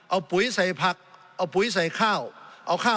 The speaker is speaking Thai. สงบจนจะตายหมดแล้วครับ